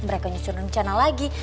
mereka nyusun rencana lagi